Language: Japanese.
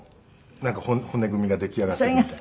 なんか骨組みが出来上がったみたいな。